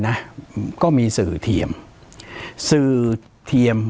ปากกับภาคภูมิ